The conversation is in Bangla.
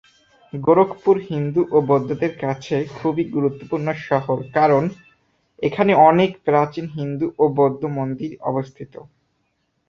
গোরখপুর হিন্দু ও বৌদ্ধদের কাছে খুবই গুরুত্বপূর্ণ শহর কারণ, এখানে অনেক প্রাচীন হিন্দু ও বৌদ্ধ মন্দির অবস্থিত।